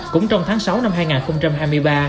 cũng trong tháng sáu năm hai nghìn hai mươi ba